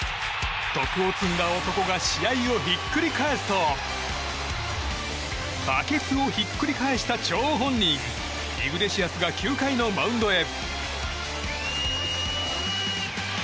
徳を積んだ男が試合をひっくり返すとバケツをひっくり返した張本人イグレシアスが９回のマウンドへ。